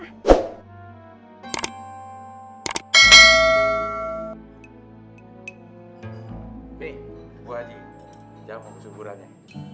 nih bu aji jamu kesuburan ya